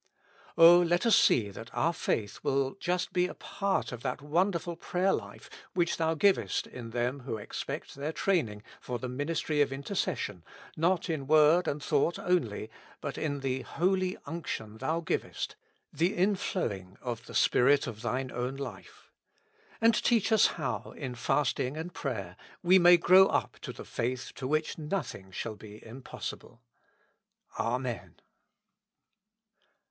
O let us see that our faith will just be a part of that wonderful pjayer life which Thou givest in them who expect their training for the ministry of interces sion, not in word and thought only, but in the Holy Unction Thou givest, the inflowing of the Spirit of Thine own life. And teach us how, in fasting and prayer, we may grow up to the faith to which nothing shall be impossible. Amen.